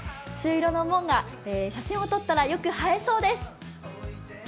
朱色の門が、写真を撮ったらよく映えそうです。